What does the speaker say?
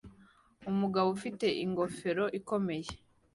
Umugabo ufite ingofero ikomeye